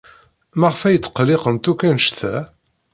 Maɣef ay tqelliqent akk anect-a?